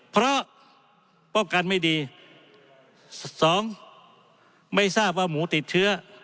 เพราะป้องกันไม่ดีสองไม่ทราบว่าหมูติดเชื้อ